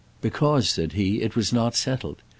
" Because," said he, " it was not settled.